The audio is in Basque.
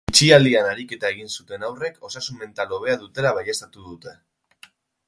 Itxialdian ariketa egin zuten haurrek osasun mental hobea dutela baieztatu dute